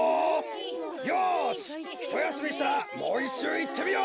よしひとやすみしたらもういっしゅういってみよう！